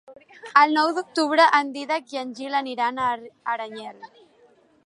El nou d'octubre en Dídac i en Gil aniran a Aranyel.